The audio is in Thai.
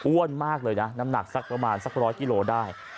มากเลยนะน้ำหนักสักประมาณสัก๑๐๐กิโลได้